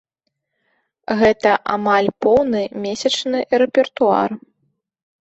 Гэта амаль поўны месячны рэпертуар.